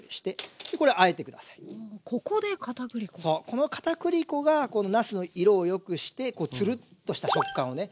このかたくり粉がなすの色をよくしてツルッとした食感をね